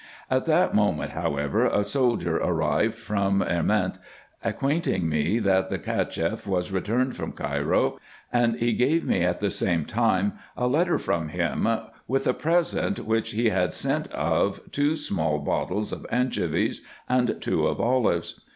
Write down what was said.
At that moment, however, a soldier arrived from Erments, acquainting me that the Cacheff was returned from Cairo ; and he gave me at the same time a letter from him, with a present which he had sent of two small bottles of anchovies and two of olives.